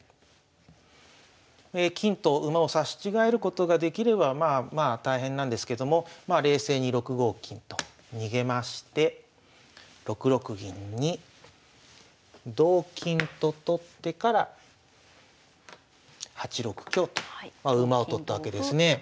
金と馬を刺し違えることができればまあ大変なんですけどもまあ冷静に６五金と逃げまして６六銀に同金と取ってから８六香とまあ馬を取ったわけですね。